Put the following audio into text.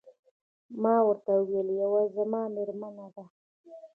ما ورته وویل: یوه يې زما میرمن ده.